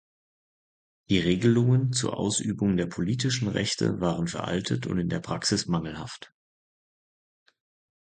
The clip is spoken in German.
Die Regelungen zur Ausübung der politischen Rechte waren veraltet und in der Praxis mangelhaft.